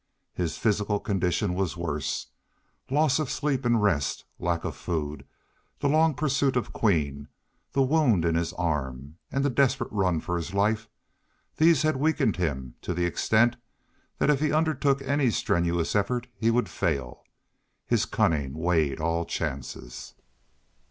His physical condition was worse. Loss of sleep and rest, lack of food, the long pursuit of Queen, the wound in his arm, and the desperate run for his life these had weakened him to the extent that if he undertook any strenuous effort he would fail. His cunning weighed all chances.